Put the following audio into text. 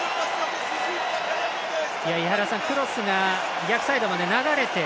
クロスが逆サイドまで流れて